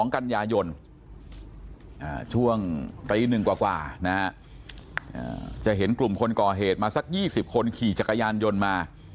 ๒กันยายนต์ช่วงปีหนึ่งกว่านะฮะจะเห็นกลุ่มคนก่อเหตุมาสัก๒๐คนขี่จักรยานยนต์มา